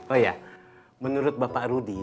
oh iya menurut bapak rudi